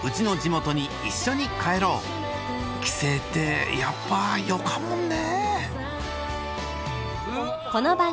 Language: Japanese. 帰省ってやっぱよかもんね